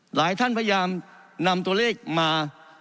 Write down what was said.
หลายท่านพยายามนำตัวเลขมา